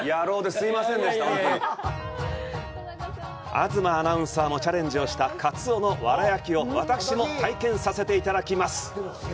東アナもチャレンジしたカツオの藁焼きを私も体験させていただきます。